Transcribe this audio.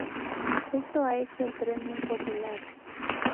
Esto ha hecho al tren muy popular.